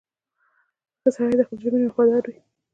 • ښه سړی د خپلې ژمنې وفادار وي.